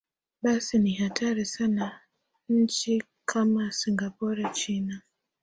basi ni hatari sana nchi kama singapore china